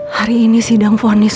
hari ini sidang vonis